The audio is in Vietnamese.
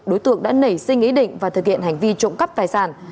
đối tượng đã nảy sinh ý định và thực hiện hành vi trộm cắp tài sản